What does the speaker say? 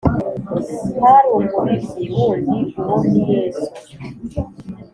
Hari umubibyi wundi uwo ni yesu